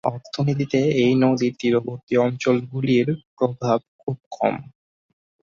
অর্থনীতিতে এই নদীর তীরবর্তী অঞ্চলগুলির প্রভাব খুব কম।